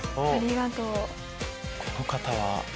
この方は？